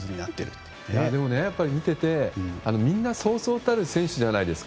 見ていて、みんなそうそうたる選手じゃないですか。